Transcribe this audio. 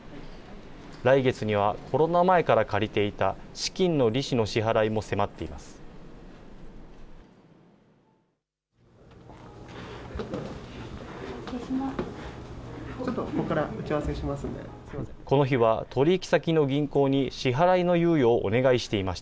来月にはコロナ前から借りていた資金の利子の支払いも迫っています。